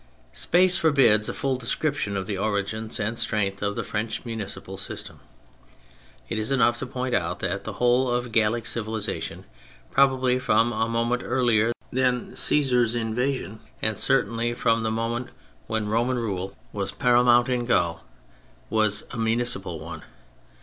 Space forbids a full description of the origins and strength of the French municipal system; it is enough to point out that the whole of Gallic civilisation, probably from a moment earlier than Cgesar's invasion, and certainly from the moment when Roman rule THE PHASES 08 was paramount in Gaul, was a municipal one.